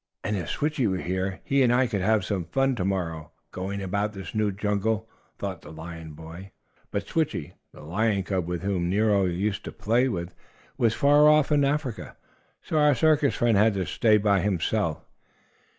"And if Switchie were here he and I could have some fun to morrow, going about this new jungle," thought the lion boy. But Switchie, the lion cub with whom Nero used to play, was far off in Africa, so our circus friend had to stay by himself.